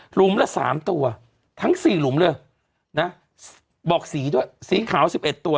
หลุมละสามตัวทั้งสี่หลุมเลยนะบอกสีด้วยสีขาวสิบเอ็ดตัว